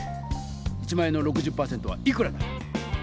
１００００円の６０％はいくらだ？